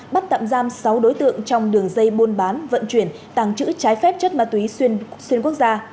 bắt tạm giam sáu đối tượng trong đường dây buôn bán vận chuyển tàng trữ trái phép chất ma túy xuyên quốc gia